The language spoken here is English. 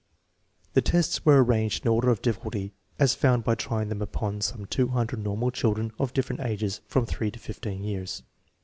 The tests were arranged in order of difficulty, as found by trying them upon some 800 normal children of different ages from # to 15 years.